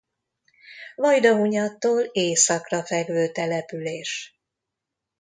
Vajdahunyadtól északra fekvő település.